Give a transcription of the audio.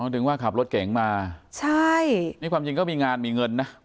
ถึงว่าขับรถเก๋งมาใช่นี่ความจริงก็มีงานมีเงินนะ